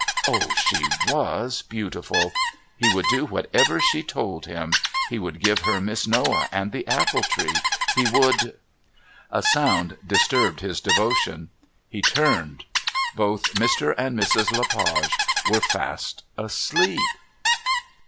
Oh! she was beautiful! He would do whatever she told him; he would give her Miss Noah and the apple tree; he would A sound disturbed his devotions. He turned. Both Mr. and Mrs. Le Page were fast asleep.